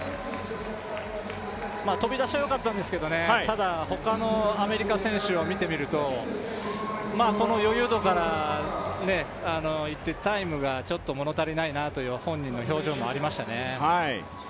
飛び出しは良かったんですけどほかのアメリカ選手を見てみるとこの余裕度からタイムが物足りないなという本人の表情がありましたね。